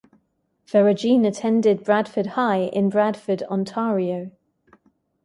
Ferragine attended Bradford High, in Bradford, Ontario.